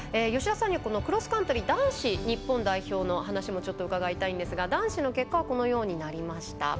吉田さんには、クロスカントリー男子日本代表の話もちょっと伺いたいんですが男子の結果はこのようになりました。